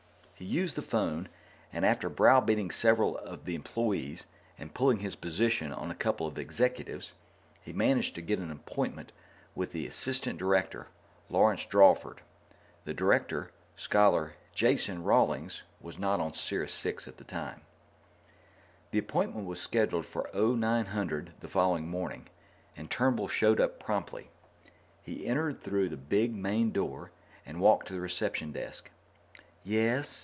He used the phone, and, after browbeating several of the employees and pulling his position on a couple of executives, he managed to get an appointment with the Assistant Director, Lawrence Drawford. The Director, Scholar Jason Rawlings, was not on Sirius VI at the time. The appointment was scheduled for oh nine hundred the following morning, and Turnbull showed up promptly. He entered through the big main door and walked to the reception desk. "Yes?"